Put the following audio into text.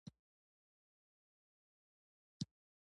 پلاستيکي بستهبندۍ د خوړو خوند خرابوي.